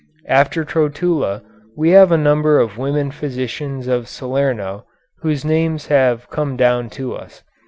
After Trotula we have a number of women physicians of Salerno whose names have come down to us.